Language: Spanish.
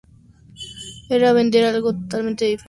Era vender algo totalmente diferente.